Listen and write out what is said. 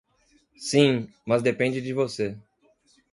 Sim, mas depende de você.